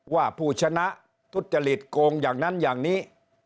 ผู้ชนะทุจริตโกงอย่างนั้นอย่างนี้